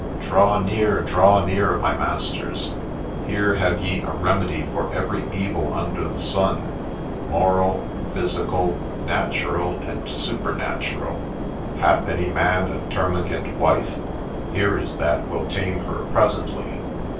' Draw near, draw near, my masters ! Here have ye a remedy for every evil under the sun, moral, physical, natural, and super natural ! Hath any man a termagant wife ?— here is that will tame her presently